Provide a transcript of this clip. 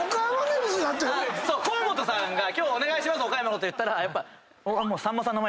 河本さんが今日お願いしますって言ったら。